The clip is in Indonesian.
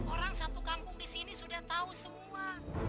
orang satu kampung di sini sudah tahu semua